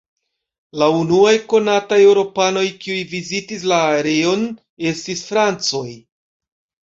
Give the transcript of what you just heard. La unuaj konataj eŭropanoj kiuj vizitis la areon estis francoj.